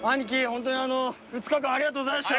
ほんとにあの２日間ありがとうございました。